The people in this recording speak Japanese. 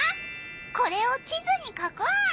これを地図に書こう！